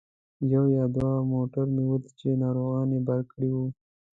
یو یا دوه موټر مې ولیدل چې ناروغان یې بار کړي وو.